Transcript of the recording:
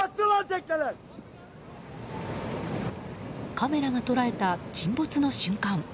カメラが捉えた沈没の瞬間。